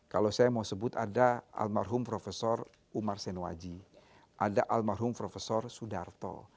kalau saya mau sebut ada almarhum prof umar senuaji ada almarhum prof sudarto